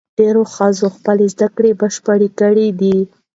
ډېرو ښځو خپلې زدهکړې بشپړې کړې دي.